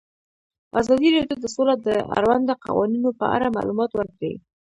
ازادي راډیو د سوله د اړونده قوانینو په اړه معلومات ورکړي.